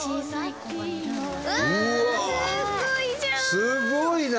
すごいな！